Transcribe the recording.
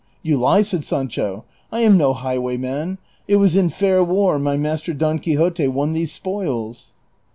" You lie," said Sancho, " I am no highwayman ; it was in fair war my master Don Quixote won these spoils."